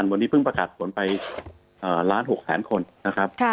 วันนี้เพิ่งประกาศส่วนไป๑๖๐๐๐๐๐คนนะครับ